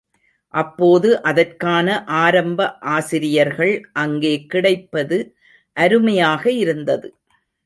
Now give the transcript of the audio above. அப்போது அதற்கான ஆரம்ப ஆசிரியர்கள் அங்கே கிடைப்பது அருமையாக இருந்தது.